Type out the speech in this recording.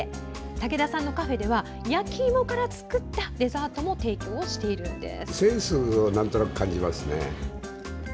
武田さんのカフェでは焼きいもから作ったデザートも提供をしているんです。